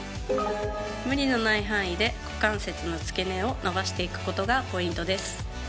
無理のない範囲で股関節の付け根を伸ばしていくことがポイントです。